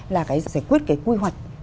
là cái giải quyết cái quy hoạch